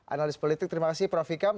analis politik terima kasih prof aisy kam